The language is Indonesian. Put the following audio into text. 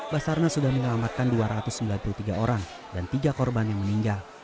basarnas sudah menyelamatkan dua ratus sembilan puluh tiga orang dan tiga korban yang meninggal